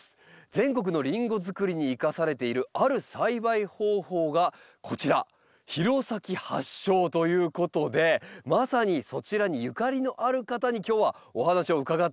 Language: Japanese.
全国のリンゴづくりに生かされているある栽培方法がこちら弘前発祥ということでまさにそちらにゆかりのある方に今日はお話を伺ってまいります。